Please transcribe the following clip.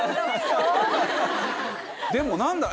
でも何だ？